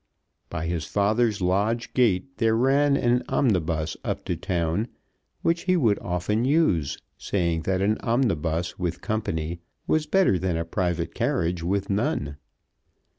By his father's lodge gate there ran an omnibus up to town which he would often use, saying that an omnibus with company was better than a private carriage with none.